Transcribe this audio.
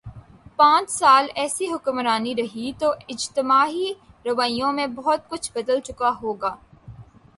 پانچ سال ایسی حکمرانی رہی تو اجتماعی رویوں میں بہت کچھ بدل چکا ہو گا۔